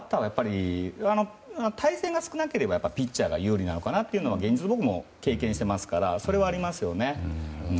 バッターはやっぱり対戦が少なければピッチャーが有利なのかなと現実に僕も経験してますからそれはありますよね。